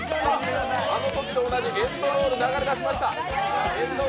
あのときと同じエンドロール流れ出しました。